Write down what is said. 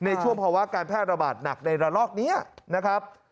ในช่วงภาวะการแพร่ระบาดหนักในระลอกนี้นะครับ